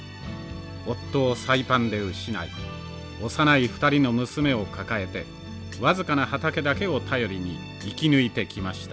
夫をサイパンで失い幼い２人の娘を抱えて僅かな畑だけを頼りに生き抜いてきました。